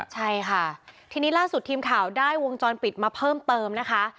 ใช่ค่ะทีนี้ล่าสุดทีมข่าวได้วงจรปิดมาเพิ่มเติมนะคะ